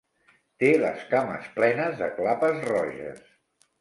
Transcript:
Té les cames plenes de clapes roges.